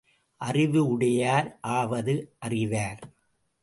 அறிவு உடையார் ஆவது அறிவார்.